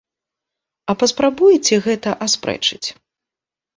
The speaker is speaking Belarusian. А паспрабуеце гэта аспрэчыць?